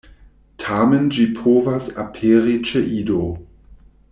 Tamen ĝi povas aperi ĉe ido.